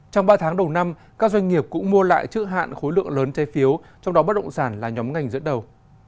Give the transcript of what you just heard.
trong ba tháng đầu năm các doanh nghiệp cũng mua lại chữ hạn khối lượng lớn trái phiếu trong đó bất động sản là nhóm ngành dẫn đầu